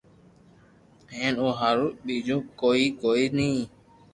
ھين او ھارون ٻيجو ڪوئي ڪوئي ني